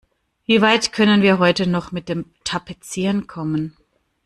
Wie weit können wir heute noch mit dem Tapezieren kommen?